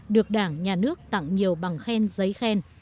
được đảng nhà nước tặng nhiều bằng khen giấy khen